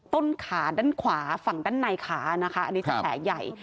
ต้นขาด้านขวาฝั่งด้านในขานะคะอันนี้จะแผลใหญ่